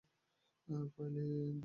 ফাইলে দুই ক্লিক করুন।